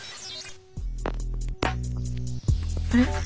あれ？